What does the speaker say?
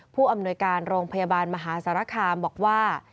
ผู้อำนวยการโรงพยาบาลมหาสารคามบอกว่า